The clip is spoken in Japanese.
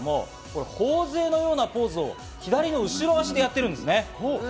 これ頬杖のようなポーズを左の後ろ足でやっているんですね。